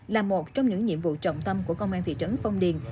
là một trong những nhiệm vụ trọng tâm của công an thị trấn phong điền